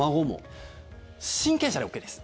親権者でＯＫです。